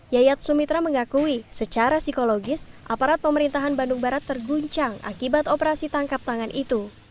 yayat sumitra mengakui secara psikologis aparat pemerintahan bandung barat terguncang akibat operasi tangkap tangan itu